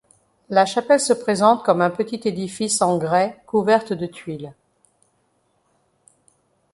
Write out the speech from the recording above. La chapelle se présente comme un petit édifice en grès couverte de tuiles.